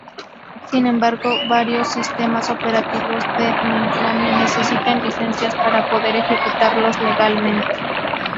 Sin embargo, varios sistemas operativos de mainframe necesitan licencias para poder ejecutarlos legalmente.